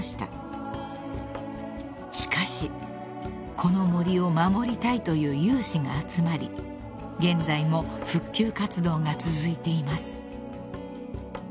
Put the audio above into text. ［しかしこの森を守りたいという有志が集まり現在も復旧活動が続いています］